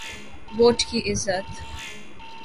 Vote کی عزت۔